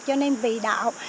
cho nên vì đạo